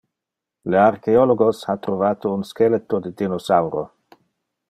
Le archeologos ha trovate uno skeleto de dinosauro.